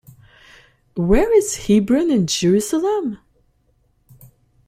Where is Hebron and Jerusalem?